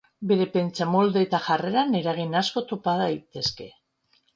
Bere pentsamolde eta jarreran eragin asko topa daitezke.